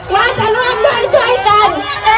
ว่าจะร่วมด้วยช่วยกัน